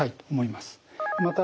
また